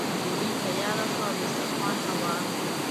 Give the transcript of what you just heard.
ډوډۍ تیاره شوه او دسترخوان هوار شو.